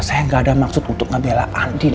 saya gak ada maksud untuk ngebela andin